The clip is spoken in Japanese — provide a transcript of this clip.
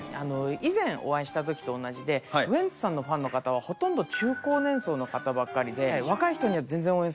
以前お会いした時と同じでウエンツさんのファンの方はほとんど中高年層の方ばかりで。